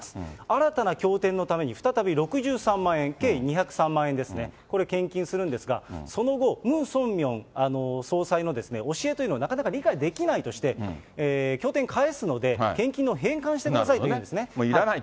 新たな教典のために再び６３万円、計２０３万円ですね、これ献金するんですが、その後、ムン・ソンミョン総裁の教えというのをなかなか理解できないとして、経典返すので、返金の、返還してくださいというんですね。